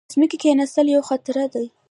د ځمکې کیناستل یو خطر دی.